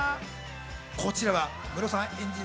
こちらはムロさん演じる